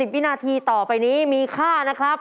วินาทีต่อไปนี้มีค่านะครับ